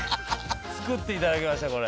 作っていただきましたこれ。